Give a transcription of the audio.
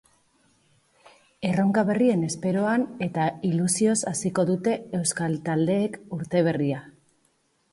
Erronka berrien esperoan eta ilusioz hasiko dute euskal taldeek urte berria.